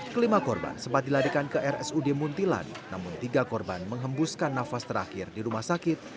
kelima korban sempat dilarikan ke rsud muntilan namun tiga korban menghembuskan nafas terakhir di rumah sakit